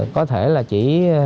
có thể là chỉ